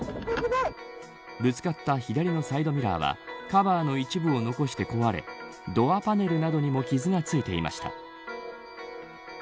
ぶつかった左のサイドミラーはカバーの一部を残して壊れドアパネルなどにも傷がついていました。